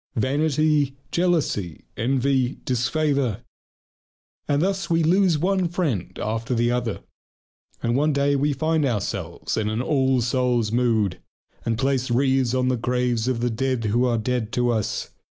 Vanity, jealousy, envy, disfavour. And thus we lose one friend after the other. And one day we find ourselves in an all souls' mood, and place wreaths on the graves of the dead who are dead to us.